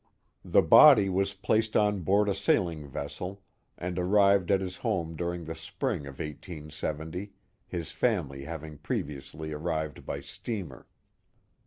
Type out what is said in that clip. The body was placed on board a sailing vessel, and arrived at his home during the spring of 1870, his family having pre viously arrived by steamer.